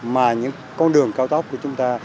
mà những con đường cao thốc của chúng ta